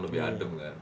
lebih adem kan